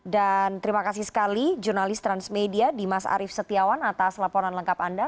dan terima kasih sekali jurnalis transmedia dimas arief setiawan atas laporan lengkap anda